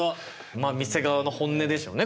まあ店側の本音でしょうね